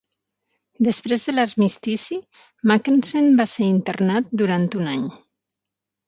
Després de l'Armistici, Mackensen va ser internat durant un any.